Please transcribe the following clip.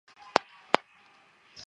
诺维拉尔。